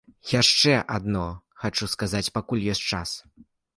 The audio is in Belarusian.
Яшчэ адно хачу сказаць, пакуль ёсць час.